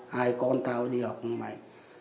hai con tao đi học mày